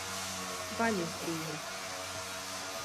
Valis dīna.